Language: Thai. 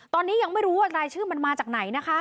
ตอนนี้ยังไม่รู้ว่ารายชื่อมันมาจากไหนนะคะ